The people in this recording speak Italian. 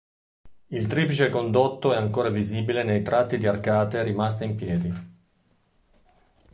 Il triplice condotto è ancora visibile nei tratti di arcate rimasti in piedi.